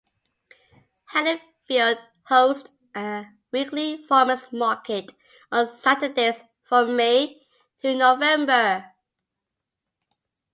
Haddonfield hosts a weekly farmers' market on Saturdays from May to November.